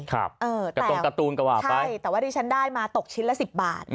กระตรงการ์ตูนก็ว่าไปใช่แต่ว่าดิฉันได้มาตกชิ้นละ๑๐บาท